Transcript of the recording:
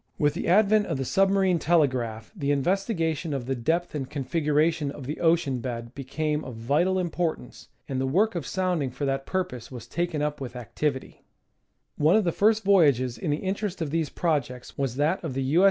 With the advent of the submarine telegraph the investigation of the depth and configuration of the ocean bed became of vital importance, and the work of sounding for that purpose was taken up with activity ; one of the first voyages in the interest of these projects was that of the U.